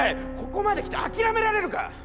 ここまで来て諦められるか？